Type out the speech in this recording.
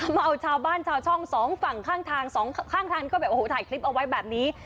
เมาชาวบ้านชาวช่องสองฝั่งข้างทางสองข้างทางก็แบบโอ้โหถ่ายคลิปเอาไว้แบบนี้